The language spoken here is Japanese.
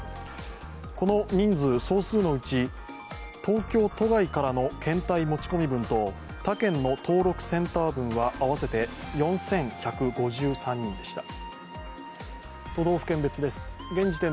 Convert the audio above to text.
この人数、総数のうち東京都外からの検体持ち込み分と他県の登録センター分は合わせて４１５３人でした。